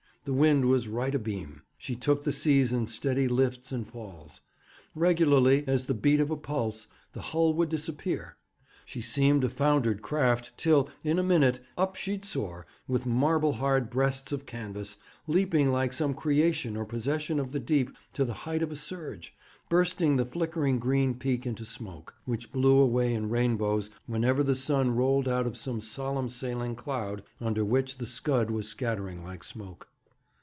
The wind was right abeam. She took the seas in steady lifts and falls. Regularly as the beat of a pulse, the hull would disappear. She seemed a foundered craft, till, in a minute, up she'd soar, with marble hard breasts of canvas, leaping like some creation or possession of the deep to the height of a surge, bursting the flickering green peak into smoke, which blew away in rainbows whenever the sun rolled out of some solemn sailing cloud under which the scud was scattering like smoke.